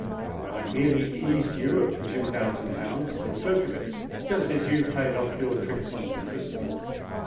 I merely eased you of the two thousand pounds for the joke of it—just as you played off your tricks on Sir Christopher."